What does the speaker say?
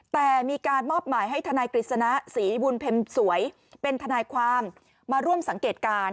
แต่มีการมอบหมายให้ทนายกฤษณะศรีบุญเพ็มสวยเป็นทนายความมาร่วมสังเกตการณ์